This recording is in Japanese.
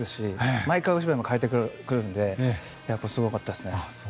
毎回、お芝居も変えてくるのでやっぱりすごかったですね。